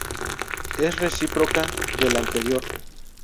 Es reciproca de la anterior.